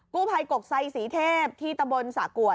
กู้ไพกกกซัยสีเทพที่ตบลสากวด